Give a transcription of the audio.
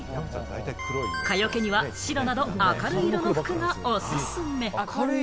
蚊よけには白など、明るい色の服がおすすめ。